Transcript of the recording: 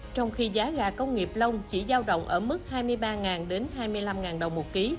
trong khi giá gà công nghiệp long chỉ giao động ở mức hai mươi ba đến hai mươi năm đồng một ký